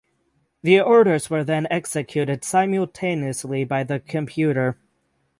The orders were then executed simultaneously by the computer.